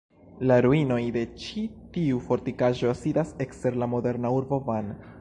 La ruinoj de ĉi tiu fortikaĵo sidas ekster la moderna urbo Van.